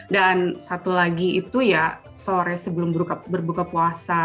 dan satu lagi itu ya sore sebelum berbuka puasa